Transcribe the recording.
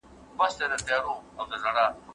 سرمايوي اجناس به روانه بيکاري له منځه يوسي.